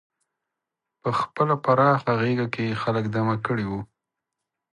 په خپله پراخه غېږه کې یې خلک دمه کړي وو.